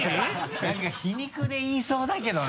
何か皮肉で言いそうだけどな。